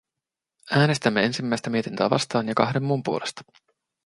Äänestämme ensimmäistä mietintöä vastaan ja kahden muun puolesta.